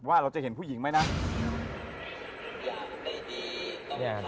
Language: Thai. ว่าเราจะเห็นผู้หญิงไหมนะ